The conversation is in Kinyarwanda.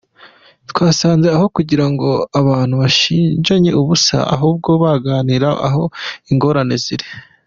Twasanze aho kugira ngo abantu bashinjanye ubusa ahubwo baganire aho ingorane ziri.